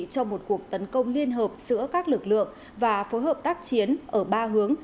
cho một cuộc tấn công liên hợp giữa các lực lượng và phối hợp tác chiến ở ba hướng